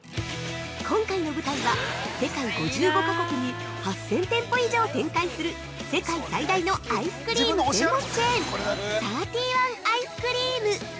◆今回の舞台は、世界５５か国に８０００店舗以上展開する世界最大のアイスクリーム専門チェーン、サーティワン・アイスクリーム。